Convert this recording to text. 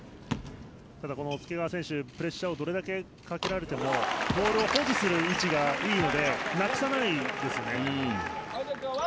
ただ、介川選手プレッシャーをどれだけかけられてもボールを保持する位置がいいのでなくさないんですよね。